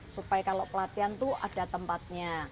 supaya kalau pelatihan itu ada tempatnya